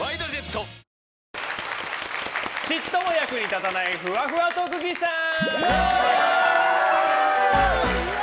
ちっとも役に立たないふわふわ特技さん！